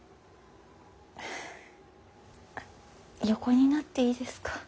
横になっていいですか。